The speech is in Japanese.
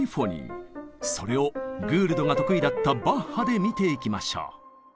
それをグールドが得意だったバッハで見ていきましょう！